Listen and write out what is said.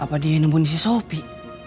apa dia yang membunuh si sopi